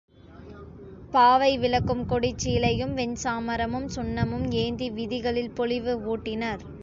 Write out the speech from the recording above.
பாவை விளக்கும், கொடிச் சீலையும், வெண்சாமரமும், சுண்ணமும் ஏந்தி விதிகளில் பொலிவு ஊட்டினர்.